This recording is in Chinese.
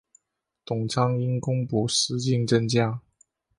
董昌因功补石镜镇将。